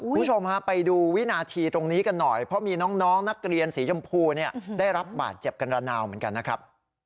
คุณผู้ชมฮะไปดูวินาทีตรงนี้กันหน่อยเพราะมีน้องนักเรียนสีชมพูเนี่ยได้รับบาดเจ็บกันระนาวเหมือนกันนะครับ